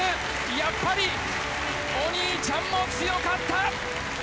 やっぱりお兄ちゃんも強かった！